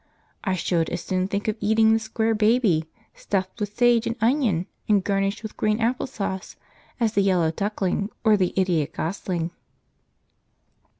I should as soon think of eating the Square Baby, stuffed with sage and onion and garnished with green apple sauce, as the yellow duckling or the idiot gosling.